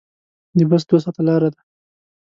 د بس دوه ساعته لاره ده.